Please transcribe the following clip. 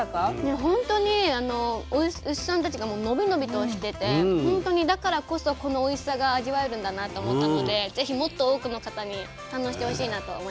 本当に牛さんたちがのびのびとしててだからこそこのおいしさが味わえるんだなと思ったので是非もっと多くの方に堪能してほしいなと思います。